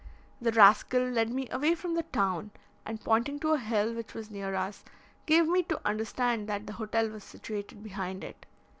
The rascal led me away from the town, and, pointing to a hill which was near us, gave me to understand that the hotel was situated behind it.